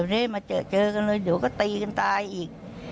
นะเจอกันเลยเดี๋ยวก็ตีกันตายอีก